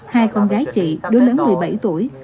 hai con gái chị đứa lớn một mươi bảy tuổi